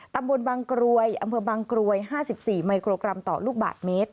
ตำบลบางกรวยอำเภอบางกรวย๕๔มิโครกรัมต่อลูกบาทเมตร